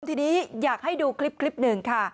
ทีนี้อยากให้ดูคลิปหนึ่งค่ะ